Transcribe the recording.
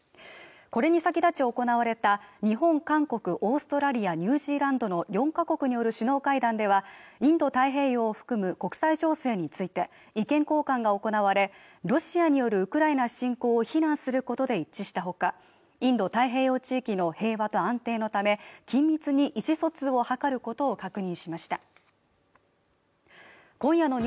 これに先立ち行われた日本、韓国オーストラリアニュージーランドの４カ国による首脳会談ではインド太平洋を含む国際情勢について意見交換が行われロシアによるウクライナ侵攻を非難することで一致したほかインド太平洋地域の平和と安定のため緊密に意思疎通を図ることを確認しました今夜の「ｎｅｗｓ２３」は